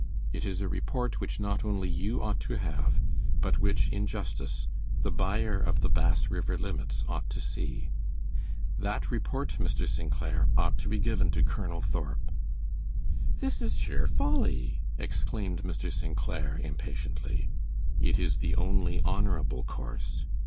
It is a report which not only you ought to have, but which, in justice, the buyer of the Bass River Limits ought to see. That report, Mr. St. Clair, ought to be given to Colonel Thorp." "This is sheer folly," exclaimed Mr. St. Clair, impatiently. "It is the only honorable course."